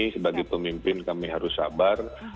sebagai pemimpin kami harus sabar